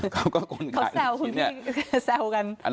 เขาแซวกัน